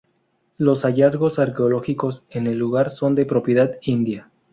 Los hallazgos arqueológicos en el lugar son de propiedad india.